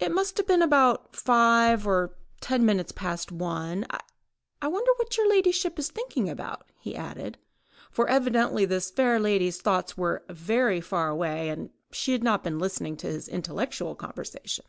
"It must have been about five or ten minutes past one. ... I wonder what your ladyship is thinking about," he added, for evidently the fair lady's thoughts were very far away, and she had not been listening to his intellectual conversation.